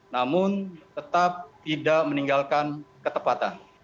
namun tetap tidak meninggalkan ketepatan